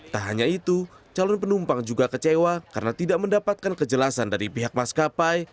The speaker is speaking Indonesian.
tak hanya itu calon penumpang juga kecewa karena tidak mendapatkan kejelasan dari pihak maskapai